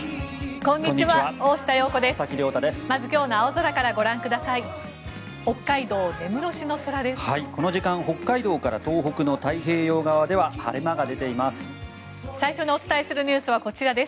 この時間北海道から東北の太平洋側では晴れ間が出ています。